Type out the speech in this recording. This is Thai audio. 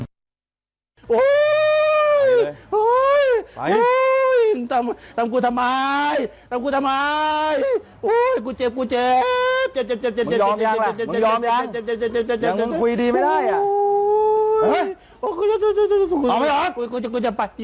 อุ๊ยอุ๊ยทำกูทำไมทำกูทำไม